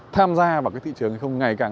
tham gia vào cái thị trường thì ngày càng